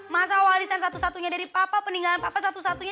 masa warisan satu satunya dari papa peninggalan papa satu satunya